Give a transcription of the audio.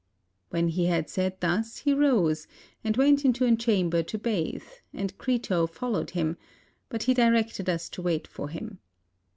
When he had said thus he rose and went into a cham ber to bathe, and Crito followed him, but he directed us to wait for him.